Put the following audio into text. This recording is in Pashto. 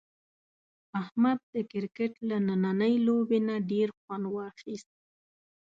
احمد د کرکټ له نننۍ لوبې نه ډېر خوند واخیست.